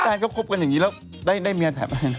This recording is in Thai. แล้วแปลงเขาคบกันอย่างนี้แล้วได้เมียแถบไง